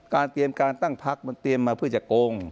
เตรียมการตั้งพักมันเตรียมมาเพื่อจะโกง